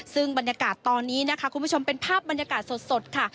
ซึ่งบรรยากาศตอนนี้นะคะคุณผู้ชมเป็นภาพบรรยากาศสดค่ะ